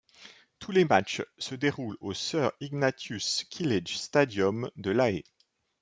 Tous les matchs se déroulent au Sir Ignatius Kilage Stadium de Lae.